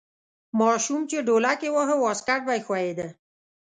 ماشوم چې ډولک یې واهه واسکټ به یې ښویده.